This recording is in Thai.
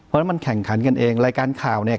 เพราะฉะนั้นมันแข่งขันกันเองรายการข่าวเนี่ย